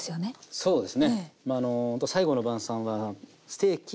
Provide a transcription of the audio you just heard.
そうですか！